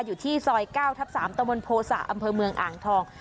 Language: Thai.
อยู่ที่ซอย๙ทับ๓ตะมนตโภษะอำเภอเมืองอ่างทอง